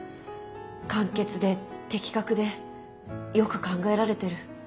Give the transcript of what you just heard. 簡潔で的確でよく考えられてる。